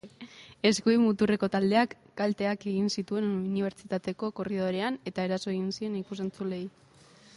Eskuin-muturreko taldeak kalteak egin zituen unibertsitateko korridorean eta eraso egin zien ikus-entzuleei.